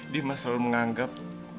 dimas selalu menganggap